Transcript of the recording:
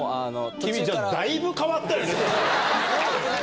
君じゃあ、だいぶ変わったよね。